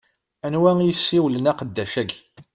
Anwa i yessewlen aqeddac-agi?